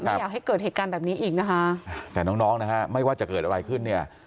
ไม่อยากให้เกิดเหตุการณ์แบบนี้อีกนะคะแต่น้องน้องนะฮะไม่ว่าจะเกิดอะไรขึ้นเนี่ย